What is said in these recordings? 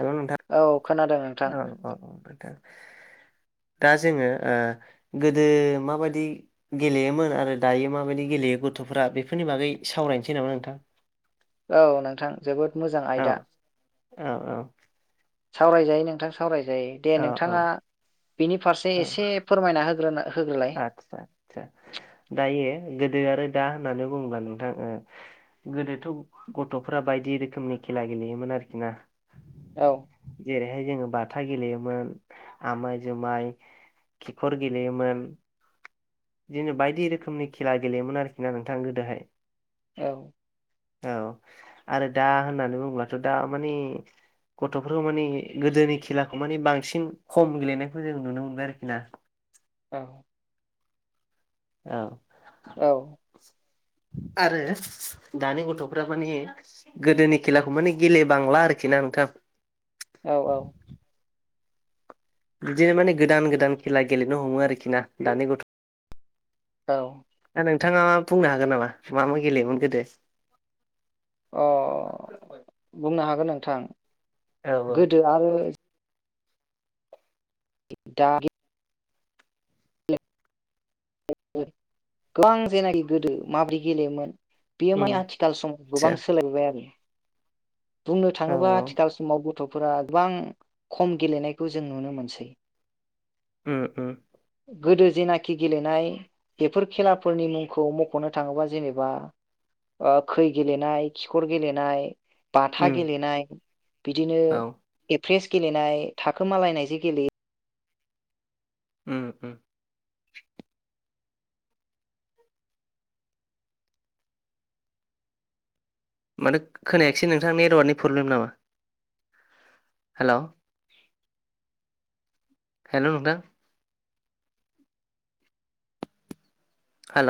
हेल' नोंथां औ खोनादों नोंथां औ औ दा जोङो गोदो माबायदि गेलेयोमोन आरो दायो माबायदि गेलेयोमोन दे गथ'फ्रा बेफोरनि बागै सावरायनोसै नामा नोंथां औ नोंथां जोबोद मोजां औ आयदा औ औ सावरायजायो नोंथां सावरायजायो दे औ औ नोंथाङा बिनि फारसे एसे फोरमायना होग्रोनो आतसा आसा दायो गोदो आरो दा होननानै बुङोब्ला नोंथां गोदोथ' गथ'फोरा बायदि रोखोमनि खेला गेल गेलेयोमोन आरोखि ना औ जेरैहाय जोङो बाथा गेलेयोमोन आमाय जुमाय खिखर गेलेयोमोन बिदिनो बायदि रोखोमनि खेला गेलेयोमोन आरोखि ना नोंथां गोदोहाय औ औ आरो दा होननानै बुङोब्लाथ' दा मानिे गथ'फोरखौ माने गोदोनि खेलाखौ माने बांसिन खम गेलेनायखौ जों नुनो मोनबाय आरोखि ना औ औ औ आरो दानि गथ'फ माने गोदोनि खेलाखौ माने गेलेबांला आरोखि ना नोंथाङ [unintelligible] [inaudible] औ औ बिदिनो माने गोदान गोदान खेला गेलेनो हमो आरोखि ना दानि गथ' औ दा नोंथाङा बुंनो हागोन नामा मा मा गेलेयोमोन गोदो अ बुंनो हागोन नोंथां औ औ गोदो आरो दा गोबां जेनाखि गोदो माबोरै गेलेयोमोन बेयो उम माने आथिखाल समाव आदसा गोबां सोलायबोबाय आरो बुंनो औ थाङोबा औ आथिखाल समावबो गथफोरा गोबां खम गेलेनायखौ जों नुनो मोनसै ओम ओम गोदो जेनाखि गेलेनाय बेफोर खेलाफोरनि मुंखौ मखनो थाङोबा जेनेबा आ खै गेलेनाय खिखर गेलेनाय बाथा उम गेलेनाय बिदिनो औ एक फ्रेस गेलेनाय थाखोमालायनायजे गेलेयो उम उम मानोे खोनायाखिसै नोंथांनि नेटवार्कनि प्रब्लेम नामा? हेल हेल नोंथां। हेल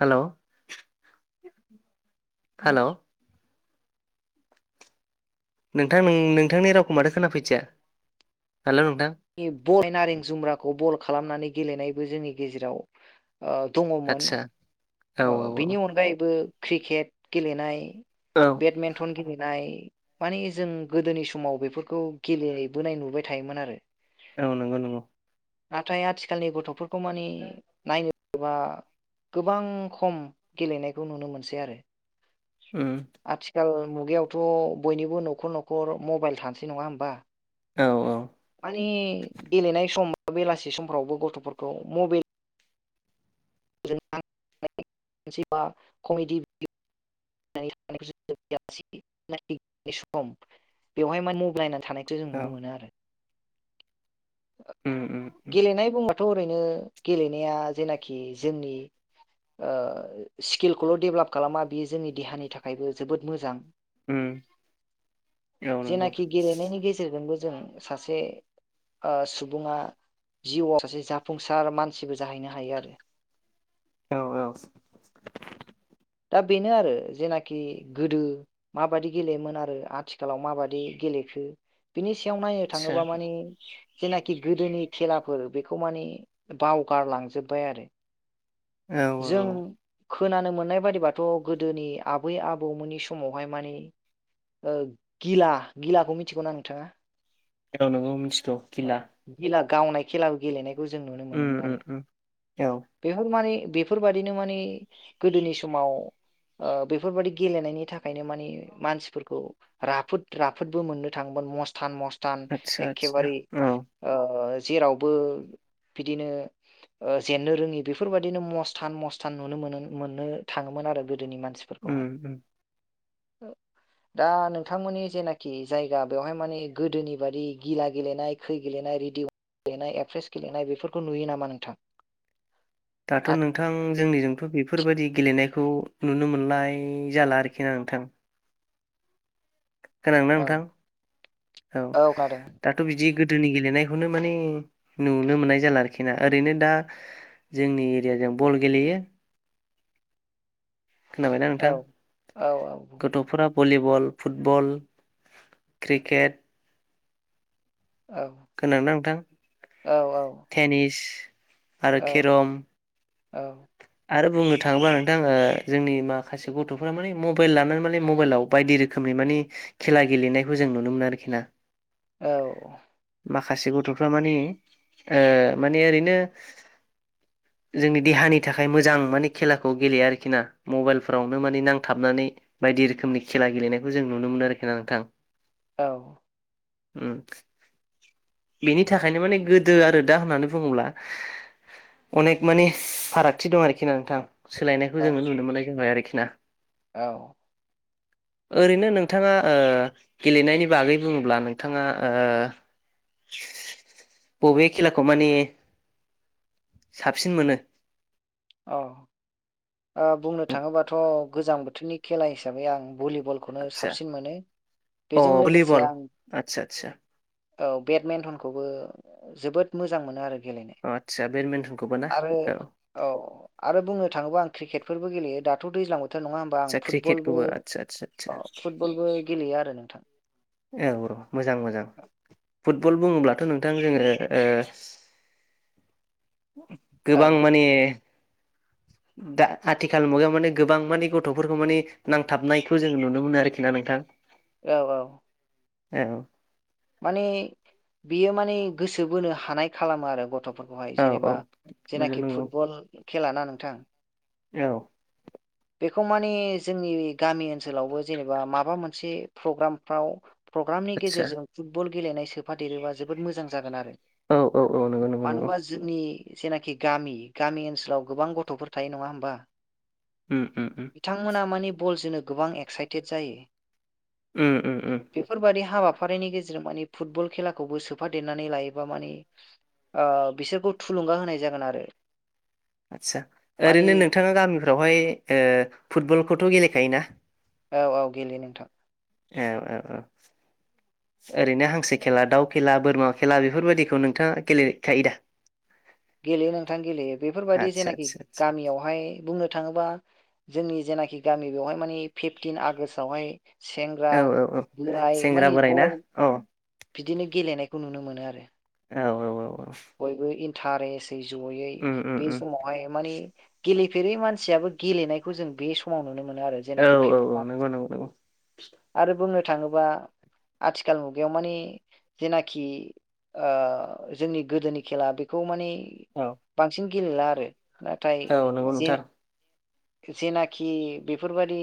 हेल हेल नोंथां नोंथांनि रावखौ माथो खोनाफैथिया, हेल नोंथां। बरि नारें जुमब्राखौ बल खालामनानै गेलेनायबो जोंनि गेजेराव। ओ दङमोन आदसा औ ओ औ बिनि अनगायैबो क्रिकेट गेलेनाय औ । बेदमेन्टन गेलेनाय माने जों गोदोनि समाव बेफोरखौ गेलेबोनाय नुबाय थायोमोन आरो । औ नंगौ नंगौ। नाथाय आथिखालनि गथफोरखौ मानि नायोबा। गोबां खम गेलेनायखौ नुनो मोनसै आरो, उम आथिखाल मुगायावथ बयनिबो नखर नखर मबाइल थासै नङा होमबा? औ औ मानि गेलेनाय सम बा बेलासि समफ्रावबो गथफोरखौ मबाइल मोनसेबा कमेडि भिडि सम बेवहाय माने मबाइल नानै थानायखौ जों औ नुनो मोनो आरो। उम उम उम गेलेनाय बुंबाथ ओरैनो गेलेनाया जेनाखि जोंनि ओ स्किलखौल डेभेलप खालामा बेयो जोंनि देहानि थाखायबो जोबोद मोजां। उम औ नंगौ जेनाखि गेलेनायनि गेजेरजोंबो जों सासे ओ सुबुङा जिउआव सासे जाफुंसार मानसिबो जाहैनो हायो आरो। औ औ। दा बेनो आरो, जेनाखि गोदो माबाददि गेलेयोमोन आरो आथिखालाव माबाददि गेलेखो बिनि सायाव नायनो आदसा थाङोबा मानि जेनाखि गोदोनि खेलाफोर बेखौ माने बावगारलांजोब्बाय आरो। औ औ जों औ खोनानो मोननाय बादिबाथ गोदोनि आबै आबौमोननि समावहाय मानि ओ गिला गिलाखौ मिथिगौना नोंथाङा? औ नंगौ मिथिगौ औ गिला गिला गावनाय खेलाबो गेलेनायखौ जों नुनो मोनोमोन आरो उम उम औ बेफोर मानि बेफोरबायदिनो मानि गोदोनि समाव ओ बेफोरबायदि गेलेनायनि थाखायनो मानि मानसिफोरखौ राफोद राफोदबो मोननो थाङोमोन मस्त थानमस्टान आदसा आदसा एखेबारे औ आज जेरावबो बिदिनो ओ जेननो रोङि बेफोरबाददिनो मस्त थान मस्थान नुनो मोनोन मोननो थाङोमोन आरो गोदोनि उम मानसिफोरखौहाय । उम औ दा नोंथांमोननि जेनाखि जायगा बेवहाय माने गोदोनि बादि गिला गेलेनाय खै गेलेनाय रेडिअ गेलेनाय एप्रेस गेलेनाय बेफोरखौ नुयो नामा नोंथां? टाट' आथ नों थां जोंनिजोंथ' बेफोरबायदि गेलेनायखौ नुनो मोननाय जाला आरोखि ना नोंथां । खोनादोंना औ नोंथां औ दाथ' बिदि गोद दोनि गेलेनायखौनो माने नुनो मोननाय जाला आरोखि ना, ओरैनो दा जोंनि एरियाजों बल गेलेयो। खोनाबायना औ नोंथां औ गथ'फोराब भलिबल, फुटबल, क्रिकेट औ खोनादोंना नोंथां औ टेनिस आरो औ खेरम आरो बुंनो थाङोब्ला नोंथां ओ जोंनि माखासे गथ'फोरा माने मबाइल लानानै माने मबाइलाव बायदि रोखोमनि बे माने खेला गेलेनायखौ जों नुनो मोनो आरोखि ना औ माखासे गथ'फ्रा मानि ओ माने ओरैनो जोंनि देहानिद थाखाय मोजां माने खेलाखौ गेलेया आरोखि ना मबाइलफोरावनो माने नांथाबनानै बायदि रोखोमनि खेला ला गेलेनायखौ जों नुनो मोनो आरोखि ना नोंथां औ उम बेनि थाखायनो माने गोदो आरो दा होननानै बुङोब्ला अनेख मानिस फारागथि दं आरोखि ना नोंथां सोलायनायखौ जोङो नुनो मोननाय जाबाय आरोखि ना औ [inaudible] ओरैनो नोंथाङा ओ गेलेनायनि बागै बुङोब्ला नोंथाङा ओ बबे खेलाखौ मानियो साबसिन मोनो औ ओ बुंनो थाङोबाथ' गोजां बोथोरनि खेला हिसाबै आं बुलिबलखौनो आदसा साबसिन मोनो बेजों लोगोसे आं सा औ बेडमिन्टनखौबो जोबोद मोजां मोनो आरो गेलेनो अ आदसा बेडमिन्टनखौबो ना आरो औ औ आरो बुंनो थाङोबा आं क्रिकेट फोरबो गेलेयो दाथ' दैज्लां बो थोर नङा होमबा आं आदसा फुटबलबो क्रिकेटखौबो आदसा आदसा आदसा अ फुटबलबो गेलेयो आरो नोंथां एवर' मोजां मोजां फुटबल बुङोब्लाथ' नोंथां जोङो औ गोबां माने दा आथिखाल मुगायाव माने गोबां माने गथ'फोरखौ माने नांथाबनायखौ जोंङ नुनो मोनो आरोखि ना नोंथां औ औ औ माने बियो माने गोसो बोनो हानाय खालामो आरो गथ थ'फोरखौहाय औ औ जेनेबा नंगौ जेनाखि नंगौ फुटबल खेला ना नोंथां औ बेखौ माने जोंनि गामि ओनसोलावबो जेनेबा माबा मोनसे प्रग्रामफ्राव प्रग्रामनि आदसा गेजेरजों फुटबल गेलेनाय सोफादेरोबा जोबोद मोजां जागोन आरो औ औ औ नंगौ नंगौ नंगौ मानोहोनबा जोंनि जेनाखि गामि गामि ओनसोलाव गोबां गथ'फोर थायो नङा होमबा उम उम उम बिथांमोना माने बल जोनो गोबां एक्साइटेड जायो उम उम उम बेफोरबायाददि हाबाफारिनि गेजेराव जों माने फुटबल खेलाखौबो सोफादेरनानै लायोबा माने ओ बिसोरखौ थुलुंगा होनाय जागोन आरो आदसा माने ओरैनो नोंथाङा गामिफ्रावहाय फुटबलखौथ' गेलेखायोना औ औ गेलेयो नोंथां औ औ औ ओरैनो हांसो खेला दाउ खेला बोरमा खेला बेफोरबायाददिखौ नोंथाङा गेलेखायो दा गेलेयो नोंथां गेलेयो बेफोरबायदि आदसा जेनाखि आदसा आदसा गामियावहाय बुंनो थाङोबा जोंनि जेनाखि गामि बेवहाय माने फिफटिन आगष्टावहाय सेंग्रा औ औ औ बोराय सेंग्रा माने बोराय ना औ बिदिनो गेलेनायखौ नुनो मोनो आरो औ औ औ । बयबो इन्टारेस्टयै जयै उम उम बे उम समावहाय माने गेलेफेरै मानसियाबो गेलेनायखौ जों बे समाव नुनो मोनो आरो औ जेनाखि औ नंगौ [unintelligible] नंगौ नंगौ आरो बुंनो थाङोबा आथिखाल मुगायाव माने जेनाखि ओ जोंनि गोदोनि खेला बेखौ माने औ बांसिन गेलेला आरो । नाथाय औ नंगौ जे नोंथां जेनाखि बेफोरबादि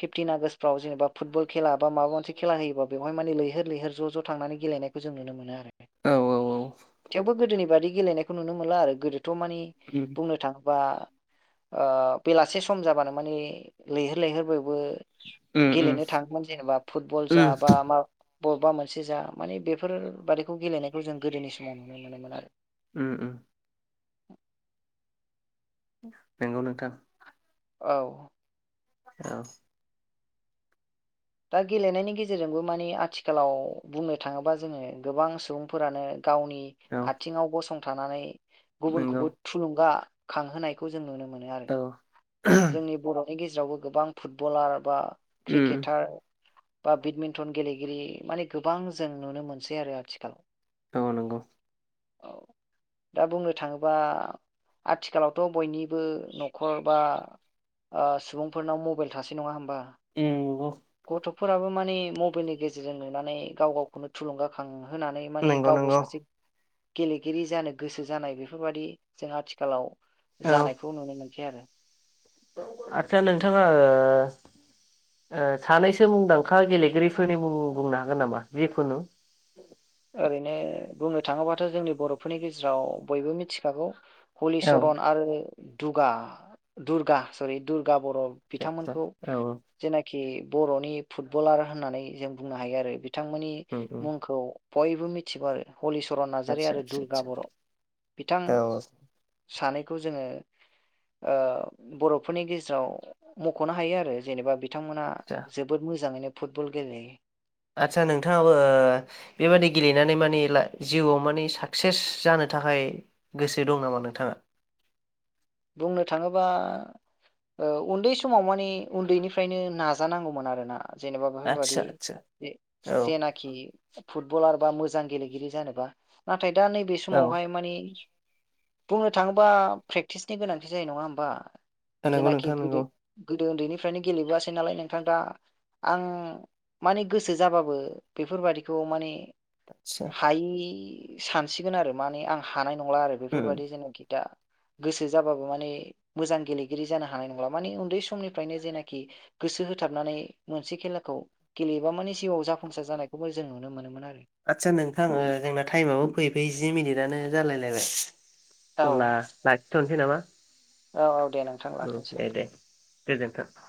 फिफटिन आगष्टफ्राव जेनेबा फुटबल खेला बा माबा मोनसे खेला होयोबा बेवहाय माने लैहोर लैहोर ज' ज' थांनानै गेलेनायखौ जों नुनो मोनो आरो । औ औ औ । थेवबो गोदोनि बादि गेलेनायखौ नुनो मोनला आरो गोदोथ' माने उम बुंनो थां बा ओ बेलासे सम जाबानो माने लैहोर लैहोर बयबो उम उम गेलेनो थाङोमोन जेनेबा फुटबल जा उम बा मा बबेबा मोनसे जा माने बेफोरबादिखौ गेलेनायखौ जों गोदोनि समाव नुनो मोनोमोन आरो । उम उम। नंगौ नोंथां । औ । औ । दा गेलेनायनि गेजेरजोंबो माने आथिखालाव बुंनो थाङोबा जोङो गोबां सुबुंफोरानो गावनि औ आथिङाव गसंथानानै नंगौ गुबुनखौबो थुलुंगा खांहोनायखौ जों नुनो मोनो आरो औ जोंनि बर'नि गेजेरावबो गोबां फुटबलार बा उम क्रिकेटार बा बेडमिन्टन गेलेगिरि माने गोबां जों नुनो मोनसै आरो आथिखाल । औ नंगौ । दा बुंनो थाङोबा आथिखालावथ' बयनिबो न'खर बा ओ सुबुंफोरनाव मबाइल थासै नङा होमबा । नंगौ गथ'फोराबो माने मबाइलनि गेजेरजों नुनानै गाव गावखौनो थुलुंगाखाङो होनानै माने नंगौ गावबो नंगौ सासे गेलेगिरि जानो गोसो जानाय बेफोरबायादि जोंहा आथिखालाव जानायखौ नुनो मोनसै आरो । आस्सा नोंथाङा ओ सानैसो मुंदांखा गेलेगिरिफोरनि मुं बुंनो हागोन नामा जिखुनु? ओरैनो बुंनो थाङोबाथ' जोंनि बर'फोरनि गेजेराव बयबो मिथिखागौ । औ हलिचरन आरो दुगा दुर्गा सरि दु गा बर' आदसा बिथांमोनखौ औ जेनाखि बर'नि फुटबलार होननानै जों बुंनो हायो आरो बिथांमोननि उम उम मुंखौ बयबो मिथिगौ आरो। हलिचरन नार्जारि आदसा आरो आदसा दुर्गा आदसा बर' बिथां औ सानै खौ जोङो ओ बर'फोरनि गेजेराव मख'नो हायो आरो जेनेबा बि थां मोना आदसा जोबोद मोजाङैनो फुटबल गेलेयो । आदसा नोंथाङाबो ओ बेबादि गेलेनानै माने ला जिउआव मानि साक्सेस जानो थाखाय गोसो दं नामा नोंथाङा? बुंनो थाङोबा ओ उन्दै समाव मानि उन्दैनिफ्रायनो नाजानांगौमोन आरो ना । जेनेबा बेफोरबादि आदसा आदसा [unintelligible] औ जेनाखि फुटबलार बा मोजां गेलेगिरि जानोबा नाथाय दा नैबे औ समावहाय मानि बुंनो थाङोबा प्रे प्क्टिसनि गोनांथि जानाय नङा होमबा नंगौ जेनाखि नोंथां नंगौ गोदो उन्दैनिफ्रायनो गेलेबोआसै नालाय नोंथां दा आं माने गोसो जाबाबो बेफोर बादिखौ मानि आदसा हायि सानसिगोन आरो माने आं हानाय नंला आरो उम बेफोरबादि जेनाखि दा गोसो जाबाबो माने मोजां गेलेगिरि जानो हानाय नंला माने उन्दै समनिफ्रायनो जेनाखि गोसो हो होथाबनानै मोनसे खेलाखौ गेलेयोबा माने जिउआव जाफुंसार जानायखौबो जों नुनो मोनोमोन आरो आदसा नोंथां ओ जोंना टाइमाबो फै फै जि मिनिटआनो जालायलायबाय औ अब्ला लाखिथ'नसै नामा औ औ दे नोंथां औ लाखिनसै दे दे गोजोन्थों ।